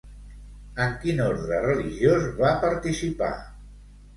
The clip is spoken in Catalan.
En quin orde religiós va participar?